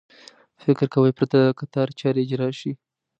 فکر کوي پرته له کتار چارې اجرا شي.